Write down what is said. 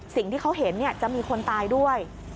สิ่งที่เขาเห็นจะมีคนตายด้วย